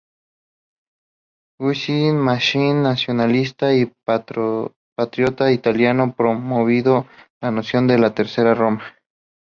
Giuseppe Mazzini, nacionalista y patriota italiano promovió la noción de la "Tercera Roma".